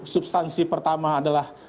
substansi pertama adalah